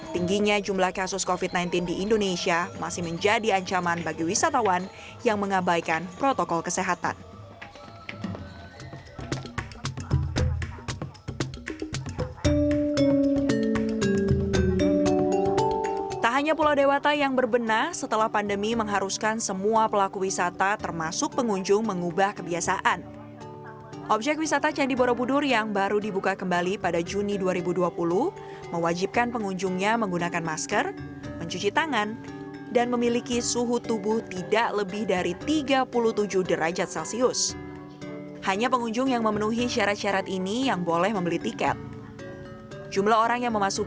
tingginya jumlah kasus covid sembilan belas di indonesia masih menjadi ancaman bagi wisatawan yang mengabaikan protokol kesehatan